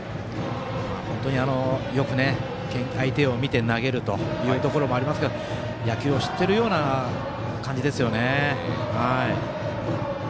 本当によく相手を見て投げるというところもありますが野球を知ってるような感じですよね。